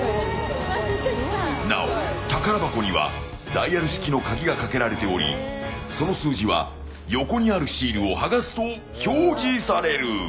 なお宝箱にはダイヤル式のカギがかけられておりその数字は横にあるシールを剥がすと表示される。